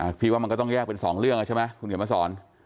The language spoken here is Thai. พี่ว่ามันก็ต้องแยกเป็นสองเรื่องอ่ะใช่ไหมคุณเขียนมาสอน